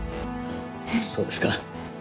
そうですか。